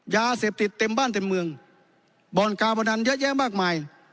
ยาเสพติดเต็มบ้านเต็มเมืองบ่อนกาบดันเยอะแยะมากมาย